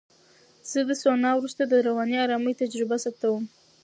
زه د سونا وروسته د رواني آرامۍ تجربه ثبتوم.